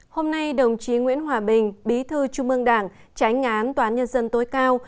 hôm nay đồng chí nguyễn hòa bình bí thư trung ương đảng tránh ngán toán nhân dân tối cao